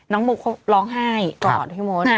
น้องโบร้องไห้กอดพี่มด